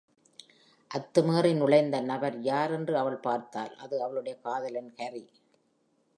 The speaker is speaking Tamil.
அத்துமீறி நுழந்த நபர் யார் என்று அவள் பார்த்தாள்: அது அவளுடைய காதலன் Harry.